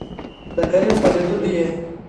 دکريم په لېدولو يې